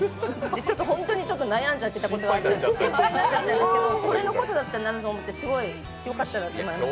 ちょっと本当に悩んじゃってたことがあって、心配だったんですけどそれのことだったんだなと思ってすごいよかったなって思いました。